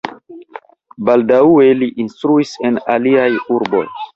Baldaŭe li instruis en aliaj urboj.